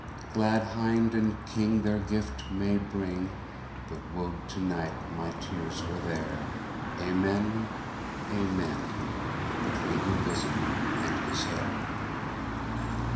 Glad Hinde and KingTheir Gyfte may bring, But wo'd to night my Teares were there, Amen, Amen:Between her Bosom and His hayre!